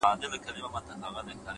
د خاموش پرمختګ اغېز تل پاتې وي؛